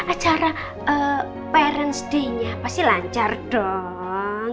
acara parent day nya pasti lancar dong